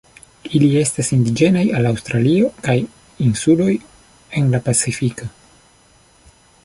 Ili estas indiĝenaj al Aŭstralio kaj insuloj en la Pacifiko.